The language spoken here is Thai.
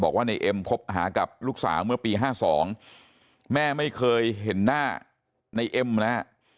บอกว่าในเอ็มคบหากับลูกสาวเมื่อปี๕๒แม่ไม่เคยเห็นหน้าในเอ็มนะฮะ